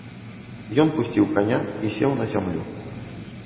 Ён пусціў каня і сеў на зямлю.